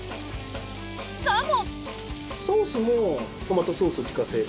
しかも。